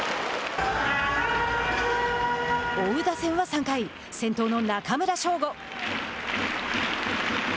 追う打線は３回先頭の中村奨吾。